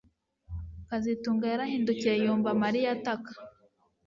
kazitunga yarahindukiye yumva Mariya ataka